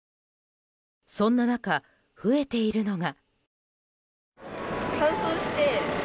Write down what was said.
そんな中、増えているのが。